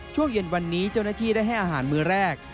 ช่วงเย็นวันนี้เจ้าหน้าที่ได้ให้อาหารมือแรก